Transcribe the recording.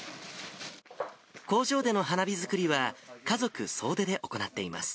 工場での花火作りは、家族総出で行っています。